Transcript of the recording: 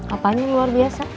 apanya luar biasa